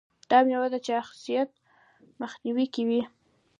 دا میوه د چاغښت مخنیوی کوي.